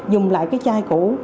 dùng lại cái chai cũ